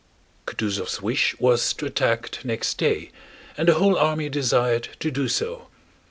Kutúzov's wish was to attack next day, and the whole army desired to do so.